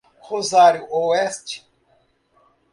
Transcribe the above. Rosário Oeste